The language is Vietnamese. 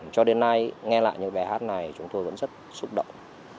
cho đến nay nghe lại những bài hát này chúng tôi vẫn rất xúc động